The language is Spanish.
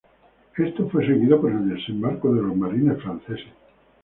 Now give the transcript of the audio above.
Esto fue seguido por el desembarco de los marines franceses.